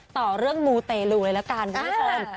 ต่อเรื่องมูเตลูเลยละกันคุณผู้ชม